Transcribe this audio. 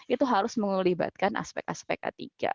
itu harus mengelibatkan aspek aspek a tiga